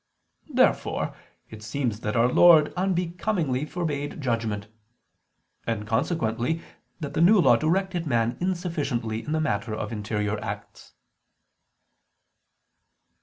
Therefore it seems that Our Lord unbecomingly forbade judgment: and consequently that the New Law directed man insufficiently in the matter of interior acts.